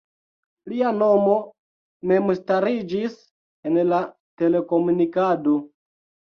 Lia nomo memstariĝis en la telekomunikado.